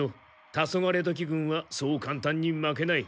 タソガレドキ軍はそう簡単に負けない。